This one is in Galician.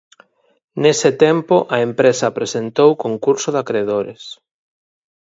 Nese tempo, a empresa presentou concurso de acredores.